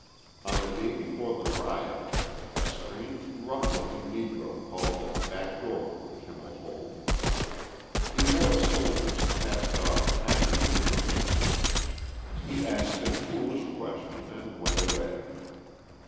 On the day before the riot a strange rough looking Negro called at the back door of the Kimmel home. He wore a soldier's cast off khaki uniform. He asked a foolish question and went away.